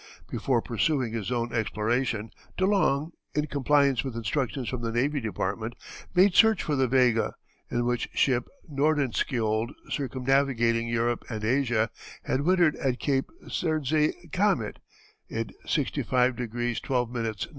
Before pursuing his own exploration De Long, in compliance with instructions from the Navy Department, made search for the Vega, in which ship Nordenskiold, circumnavigating Europe and Asia, had wintered at Cape Serdze Kamen, in 67° 12´ N.